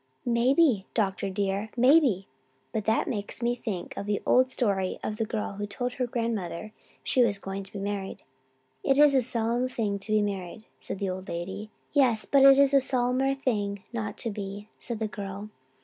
"Maybe, doctor dear maybe! But that makes me think of the old story of the girl who told her grandmother she was going to be married. 'It is a solemn thing to be married,' said the old lady. 'Yes, but it is a solemner thing not to be,' said the girl.